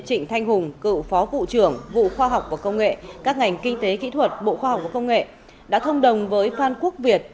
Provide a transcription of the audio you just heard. trịnh thanh hùng cựu phó vụ trưởng vụ khoa học và công nghệ các ngành kinh tế kỹ thuật bộ khoa học và công nghệ đã thông đồng với phan quốc việt